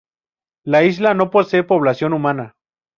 La isla no posee población humana.